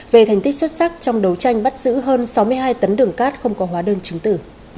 về thành tích xuất sắc trong đấu tranh bắt giữ hơn sáu mươi hai tấn đường cát không có hóa đơn chứng tử